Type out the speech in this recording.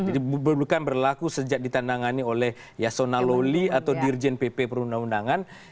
jadi bukan berlaku sejak ditandangani oleh yasona loli atau dirjen pp perundang undangan